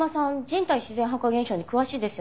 人体自然発火現象に詳しいですよね。